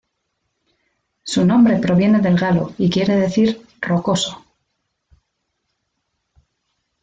Su nombre proviene del galo y quiere decir "rocoso.